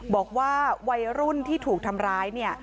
บอกว่าวัยรุ่นที่ถูกทำร้าย